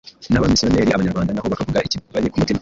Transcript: n'Abamisiyoneri, Abanyarwanda naho bakavuga ikibari ku mutima,